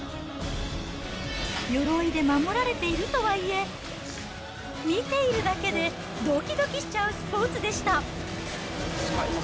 よろいで守られているとはいえ、見ているだけでどきどきしちゃうスポーツでした。